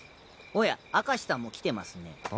おや明石さんも来てますねえ。